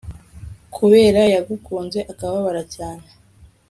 Kubera ko yagukunze akababara cyane